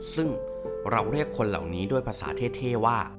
ซึ่งเราเรียกคนเหล่านี้ด้วยภาษาเท่ว่า